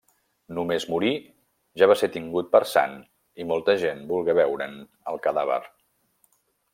Només morir, ja va ser tingut per sant i molta gent volgué veure'n el cadàver.